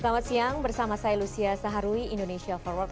selamat siang bersama saya lucia saharwi indonesia forward